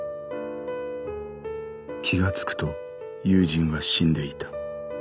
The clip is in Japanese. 気がつくと友人は死んでいた。